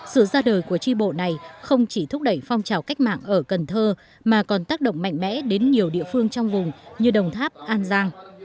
sự ra đời của tri bộ này không chỉ thúc đẩy phong trào cách mạng ở cần thơ mà còn tác động mạnh mẽ đến nhiều địa phương trong vùng như đồng tháp an giang